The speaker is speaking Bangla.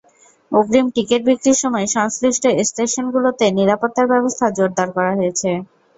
অগ্রিম টিকিট বিক্রির সময় সংশ্লিষ্ট স্টেশনগুলোতে নিরাপত্তার ব্যবস্থা জোরদার করা হয়েছে।